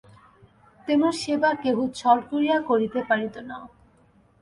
তেমন সেবা কেহ ছল করিয়া করিতে পারিত না।